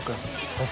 あっ。